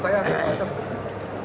saya akan menurut pak jokowi